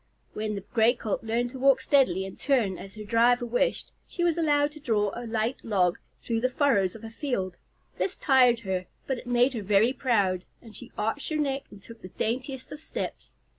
When the Gray Colt learned to walk steadily and turn as her driver wished, she was allowed to draw a light log through the furrows of a field. This tired her, but it made her very proud, and she arched her neck and took the daintiest of steps.